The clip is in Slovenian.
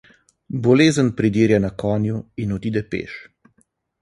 Bolezen pridirja na konju in odide peš.